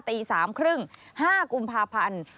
ตี๓๓๐นห้ากุมภาพันธ์